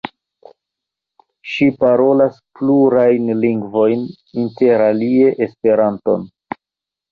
Ŝi parolas plurajn lingvojn inter alie Esperanton.